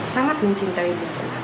sangat mencintai buku